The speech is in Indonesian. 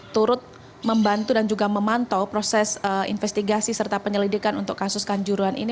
turut membantu dan juga memantau proses investigasi serta penyelidikan untuk kasus kanjuruan ini